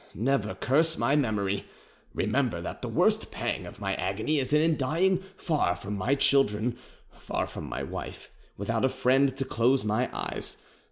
Never curse my memory. Remember that the worst pang of my agony is in dying far from my children, far from my wife, without a friend to close my eyes.